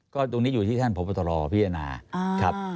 ก็ตรงนี้อยู่ที่ท่านโปรประตอรพี่จนาค์